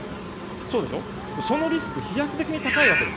そうでしょう、そのリスク、飛躍的に高いわけです。